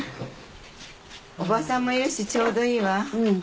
叔母さんもいるしちょうどいいわ。